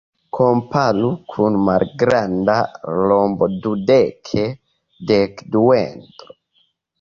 Komparu kun malgranda rombo-dudek-dekduedro.